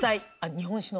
日本酒の。